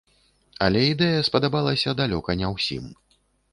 Але ідэя спадабалася далёка не ўсім.